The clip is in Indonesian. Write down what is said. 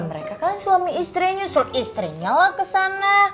mereka kan suami istri nyusul istrinya lah ke sana